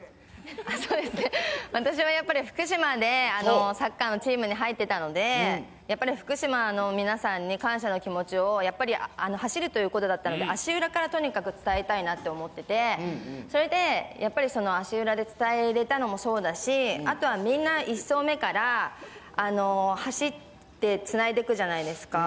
私はやっぱり、福島で、サッカーのチームに入ってたので、やっぱり福島の皆さんに感謝の気持ちを、やっぱり走るということだったので、足裏からとにかく伝えたいなと思っていて、それで、やっぱり足裏で伝えれたのもそうだし、あとはみんな１走目から、走ってつないでいくじゃないですか。